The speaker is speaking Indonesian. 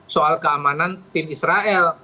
soal keamanan tim israel